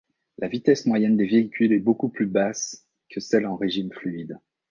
La vitesse moyenne des véhicules est beaucoup plus basse que celle en régime fluide.